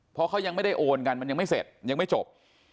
เพราะเขายังไม่ได้โอนกันมันยังไม่เสร็จยังไม่จบ